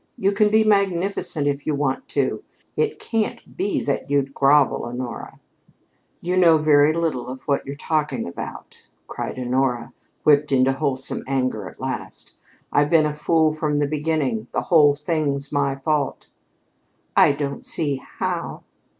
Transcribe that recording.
You can be magnificent, if you want to. It can't be that you'd grovel, Honora." "You know very little of what you're talking about," cried Honora, whipped into wholesome anger at last. "I've been a fool from the beginning. The whole thing's my fault." "I don't see how."